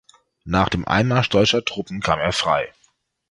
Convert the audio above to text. Nach dem Einmarsch deutscher Truppen kam er frei.